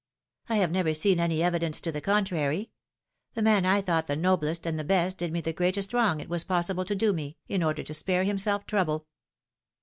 " I have never seen any evidence to the contrary. The man I thought the noblest and the best did me the greatest wrong it was possible to do me, in order to spare himself trouble."